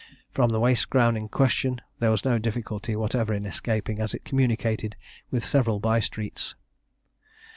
From the waste ground in question there was no difficulty whatever in escaping, as it communicated with several by streets.